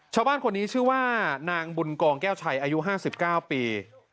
ชาวบ้านคนนี้ชื่อว่านางบุญกองแก้วชัยอายุ๕๙ปี